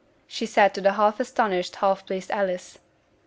said she to the half astonished, half pleased Alice.